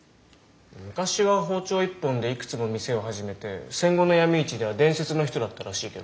昔は包丁一本でいくつも店を始めて戦後の闇市では伝説の人だったらしいけどな。